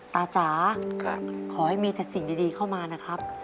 จ๋าขอให้มีแต่สิ่งดีเข้ามานะครับ